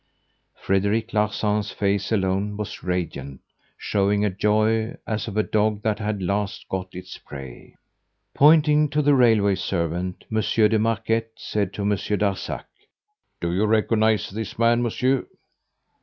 Frederic Larsan's face alone was radiant, showing a joy as of a dog that had at last got its prey. Pointing to the railway servant, Monsieur de Marquet said to Monsieur Darzac: "Do you recognise this man, Monsieur?"